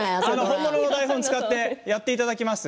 本当の台本を使ってやっていただきます。